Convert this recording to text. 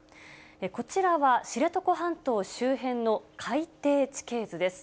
こちらは知床半島周辺の海底地形図です。